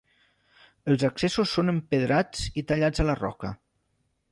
Els accessos són empedrats i tallats a la roca.